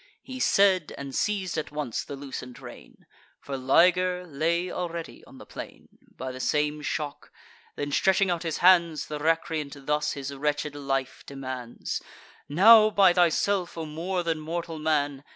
He said, and seiz'd at once the loosen'd rein; For Liger lay already on the plain, By the same shock: then, stretching out his hands, The recreant thus his wretched life demands: "Now, by thyself, O more than mortal man!